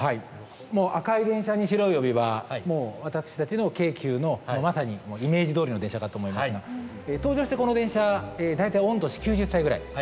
赤い電車に白い帯はもう私たちの京急のまさにイメージどおりの電車だと思いますが登場してこの電車大体御年９０歳ぐらい。